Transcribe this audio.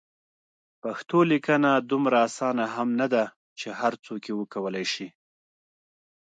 پښتو لیکنه دومره اسانه هم نده چې هر څوک یې وکولای شي.